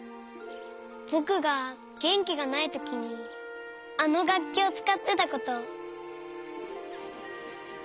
ぼくがげんきがないときにあのがっきをつかってたこと。